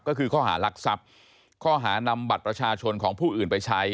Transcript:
ก็คือข้อหารักทรัพย์ข้อหานำบัตรประชาชนของผู้อื่นไปใช้